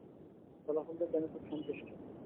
ফলাফল দেখে আমি খুব সন্তুষ্ট।